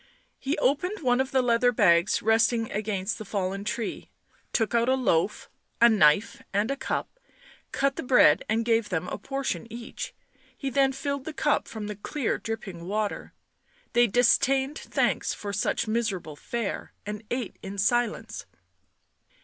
He opened one of the leather bags resting against the fallen tree, took out a loaf, a knife and a cup, cut the bread and gave them a portion each, then filled the cup from the clear dripping water. They disdained thanks for such miserable fare and ate in silence.